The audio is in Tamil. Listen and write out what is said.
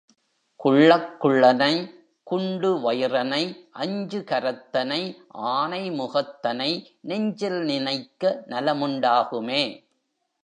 குள்ளக் குள்ளனை குண்டு வயிறனை அஞ்சு கரத்தனை ஆனை முகத்தனை நெஞ்சில் நினைக்க நலமுண்டாகுமே.